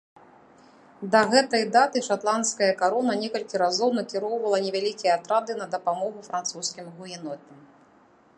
Да гэтай даты шатландская карона некалькі разоў накіроўвала невялікія атрады на дапамогу французскім гугенотам.